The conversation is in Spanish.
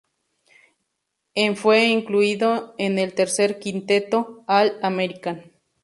En fue incluido en el tercer quinteto All-American.